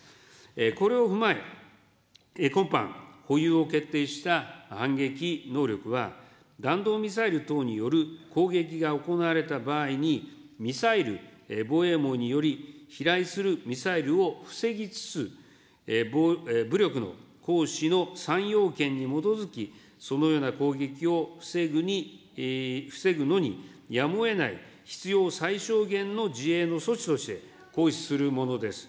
これを踏まえ、今般、保有を決定した反撃能力は、弾道ミサイル等による攻撃が行われた場合に、ミサイル防衛網により、飛来するミサイルを防ぎつつ、武力の行使の３要件に基づき、そのような攻撃を防ぐに、防ぐのにやむをえない必要最小限の自衛の措置として、行使するものです。